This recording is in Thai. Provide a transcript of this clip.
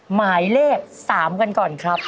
หมายเลข๓กันก่อนครับ